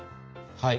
はい。